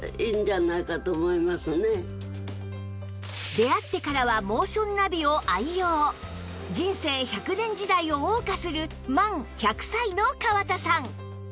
出会ってからはモーションナビを愛用人生１００年時代を謳歌する満１００歳の川田さん